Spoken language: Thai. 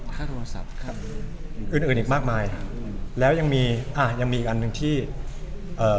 ค่าโทรศัพท์ครับอื่นอื่นอีกมากมายแล้วยังมีอ่ายังมีอีกอันหนึ่งที่เอ่อ